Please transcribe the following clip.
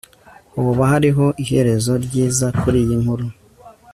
hoba hariho iherezo ryiza kuriyi nkuru